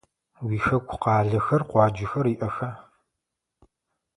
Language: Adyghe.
Уихэку къалэхэр, къуаджэхэр иӏэха?